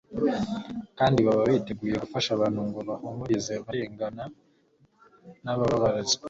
kandi baba biteguye gufasha abantu ngo bahumurize abarengana n'abababazwa.